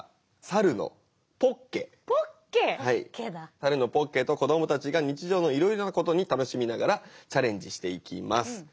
サルのポッケと子どもたちが日常のいろいろなことに楽しみながらチャレンジしていきます。